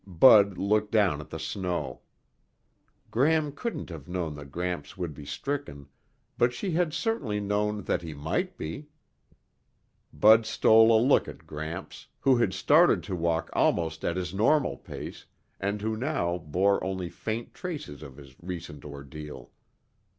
Bud looked down at the snow. Gram couldn't have known that Gramps would be stricken, but she had certainly known that he might be. Bud stole a look at Gramps, who had started to walk almost at his normal pace and who now bore only faint traces of his recent ordeal.